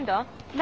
何？